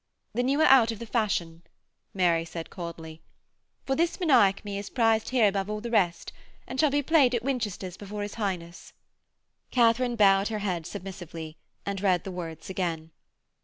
'Then you are out of the fashion,' Mary said coldly, 'for this Menechmi is prized here above all the rest, and shall be played at Winchester's before his Highness.' Katharine bowed her head submissively, and read the words again.